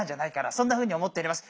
そんなふうに思っております。